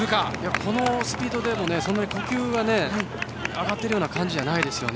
このスピードでもそんなに呼吸が上がっている感じでもないですね。